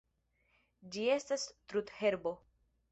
Ĝi estas trudherbo.